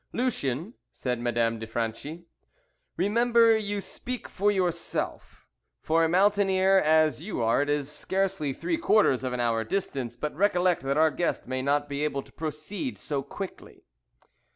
"Lucien," said Madame de Franchi, "remember you speak for yourself. For a mountaineer as you are it is scarcely three quarters of an hour distance, but recollect that our guest may not be able to proceed so quickly."